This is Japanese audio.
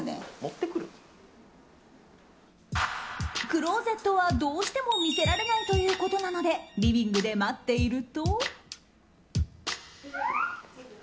クローゼットは、どうしても見せられないということなのでリビングで待っていると。